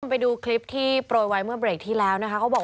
คุณผู้ชมไปดูคลิปที่โปรยไว้เมื่อเบรคที่แล้ว